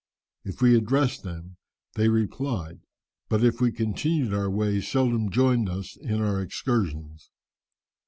If we addressed them they replied, but if we continued our way seldom joined us in our excursions.